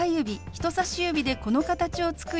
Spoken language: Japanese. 人さし指でこの形を作り